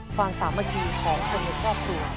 ความสามารถทีของคนในครอบครัว